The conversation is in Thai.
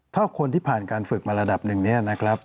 ถ้าคนที่ผ่านการฝึกมาระดับหนึ่งเนี่ยนะครับ